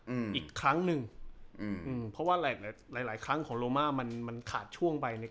อืมอีกครั้งหนึ่งอืมอืมเพราะว่าหลายหลายหลายครั้งของโลมามันมันขาดช่วงไปเนี้ย